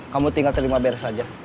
kamu tinggal terima beres saja